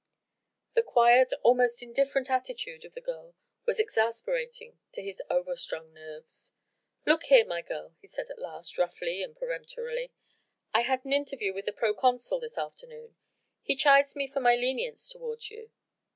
The quiet, almost indifferent attitude of the girl was exasperating to his over strung nerves. "Look here, my girl," he said at last, roughly and peremptorily, "I had an interview with the proconsul this afternoon. He chides me for my leniency toward you.